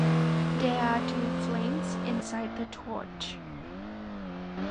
There are two flames inside the torch.